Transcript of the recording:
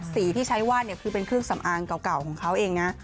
สีที่ใช้วาดเนี่ยคือเป็นเครื่องสำอางเก่าของเขาเองนะ